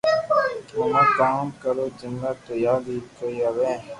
ھمو ڪاو ڪرو جملا تو ياد اي ڪوئي آوي